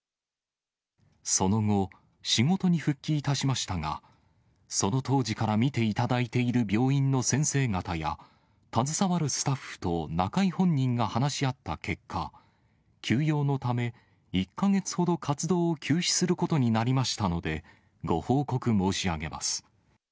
その後、仕事に復帰いたしましたが、その当時から診ていただいている病院の先生方や、携わるスタッフと中居本人が話し合った結果、休養のため、１か月ほど活動を休止することになりましたので、ご報告申し上げます。